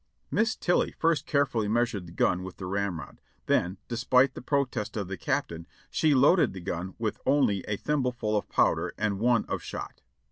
"Aliss Tilly first carefully measured the gun with the ramrod, then, despite the protest of the Captain, she loaded the gim with only a thimbleful of powder and one of shot.